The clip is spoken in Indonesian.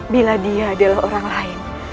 bila dia adalah orang lain